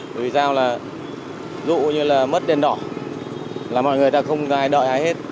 tại sao là dụ như là mất đèn đỏ là mọi người không có ai đợi ai hết